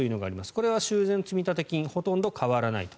これは修繕積立金ほとんど変わらないと。